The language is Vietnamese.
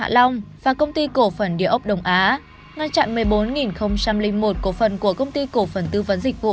hạ long và công ty cổ phần địa ốc đồng á ngăn chặn một mươi bốn một cổ phần của công ty cổ phần tư vấn dịch vụ